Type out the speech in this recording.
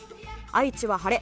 愛知は晴れ